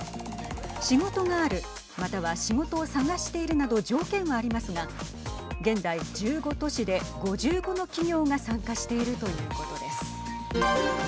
仕事があるまたは仕事を探しているなど条件はありますが現在、１５都市で５５の企業が参加しているということです。